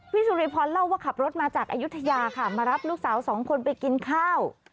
สุริพรเล่าว่าขับรถมาจากอายุทยาค่ะมารับลูกสาวสองคนไปกินข้าว